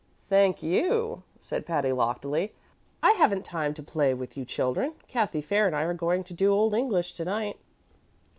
"Thank you," said Patty, loftily. "I haven't time to play with you children. Cathy Fair and I are going to do Old English to night."